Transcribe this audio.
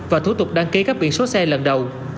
và thú tục đăng ký các biện số xe lần đầu